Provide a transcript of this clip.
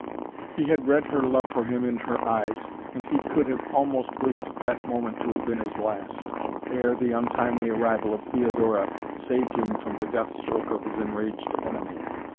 He had read her love for him in her eyes, and he could have almost wished that moment to have been his last, ere the untimely arrival of Theodora saved him from the death stroke of his enraged enemy.